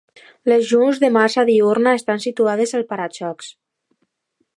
Les llums de marxa diürna estan situades al para-xocs.